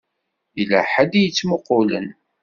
Yella ḥedd i yettmuqqulen.